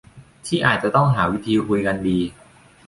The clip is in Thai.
ที่อาจจะต้องหาวิธีคุยกันดี